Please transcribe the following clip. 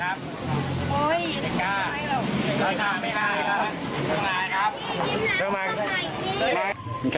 ลูกค้าเหมือนไงครับพี่กล้าไม่อายครับ